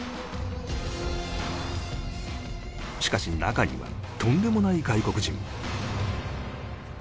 しかし中にはとんでもない外国人も